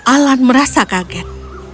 alan merasa kaget